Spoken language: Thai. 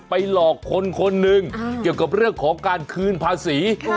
หลอกคนคนหนึ่งเกี่ยวกับเรื่องของการคืนภาษี